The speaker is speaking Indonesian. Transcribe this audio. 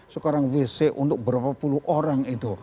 sekarang wc untuk berapa puluh orang itu